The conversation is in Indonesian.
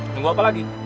tunggu apa lagi